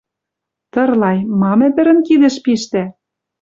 Тырлай, мам ӹдӹрӹн кидӹш пиштӓ?